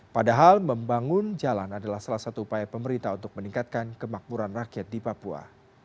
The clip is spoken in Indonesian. padahal membangun jalan adalah salah satu upaya pemerintah untuk meningkatkan kemakmuran rakyat di papua